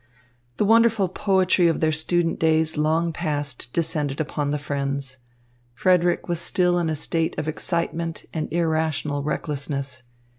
The wonderful poetry of their student days long past descended upon the friends. Frederick was still in a state of excitement and irrational recklessness.